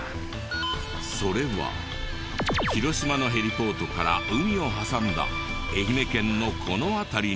それは広島のヘリポートから海を挟んだ愛媛県のこの辺りに。